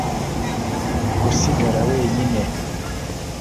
Gusigara wenyine